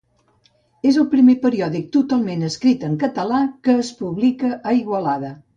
És el primer periòdic totalment escrit en català que es publica a Igualada.